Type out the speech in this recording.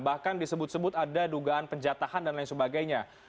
bahkan disebut sebut ada dugaan penjatahan dan lain sebagainya